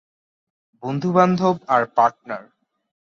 বন্ধুবান্ধব আর পার্টনার।